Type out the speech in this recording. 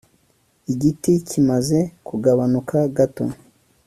Igiti kimaze kugabanuka gato